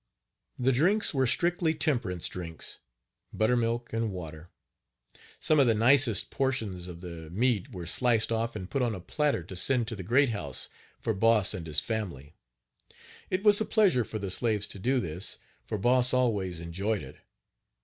The drinks were strictly temperance drinks buttermilk and water. Some of the nicest portions of the meat were sliced off and put on a platter to send to the great house for Boss and his family. It was a pleasure for the slaves to do this, for Boss always enjoyed it.